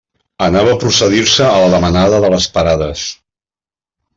Anava a procedir-se a la demanada de les parades.